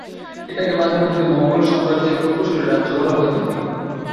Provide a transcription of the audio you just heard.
এটাকে মাঝেমধ্যে মঙ্গোল সাম্রাজ্যের পূর্বসূরী রাজ্য বলা হয়ে থাকে।